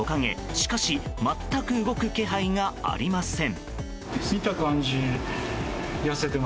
しかし、全く動く気配がありません。